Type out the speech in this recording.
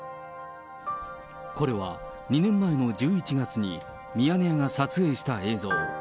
これは２年前の１１月に、ミヤネ屋が撮影した映像。